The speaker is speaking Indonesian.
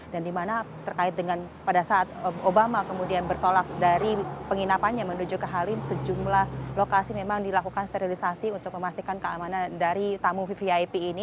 dan di mana terkait dengan pada saat obama kemudian bertolak dari penginapannya menuju ke halim sejumlah lokasi memang dilakukan sterilisasi untuk memastikan keamanan dari tamu vvip ini